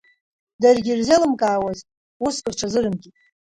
Даргьы илзеилымкаауаз уск рҽазырымкит.